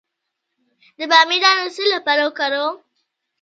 د بامیې دانه د څه لپاره وکاروم؟